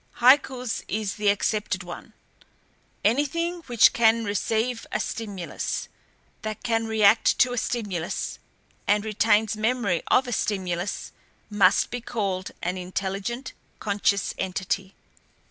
"Haeckel's is the accepted one. Anything which can receive a stimulus, that can react to a stimulus and retains memory of a stimulus must be called an intelligent, conscious entity.